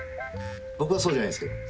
僕はそうじゃないですけど。